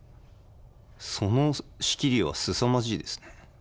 その仕切りはすさまじいですね。